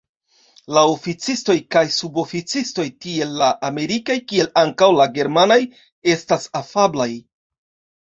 La oficistoj kaj suboficistoj, tiel la amerikaj kiel ankaŭ la germanaj, estas afablaj.